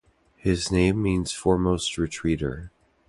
His name means "foremost retreater".